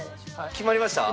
決まりました？